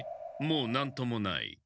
もう何ともない。